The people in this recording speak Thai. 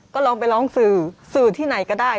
ก็ลองไปร้องสื่อสื่อที่ไหนก็ได้